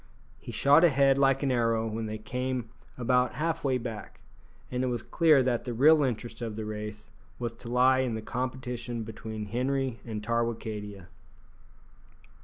He shot ahead like an arrow when they came about half way back, and it was clear that the real interest of the race was to lie in the competition between Henri and Tarwicadia.